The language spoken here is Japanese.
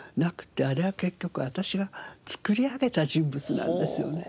あれは結局私が作り上げた人物なんですよね。